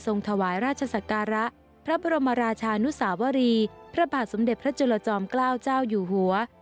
ถวายราชศักระพระบรมราชานุสาวรีพระบาทสมเด็จพระจุลจอมเกล้าเจ้าอยู่หัว